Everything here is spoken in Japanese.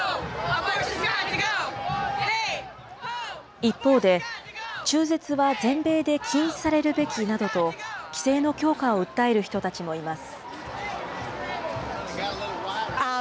一方で、中絶は全米で禁止されるべきなどと、規制の強化を訴える人たちもいます。